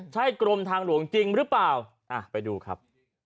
ใช่กรมทางหลวงจริงหรือเปล่าไปดูครับ